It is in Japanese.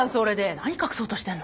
何隠そうとしてんの？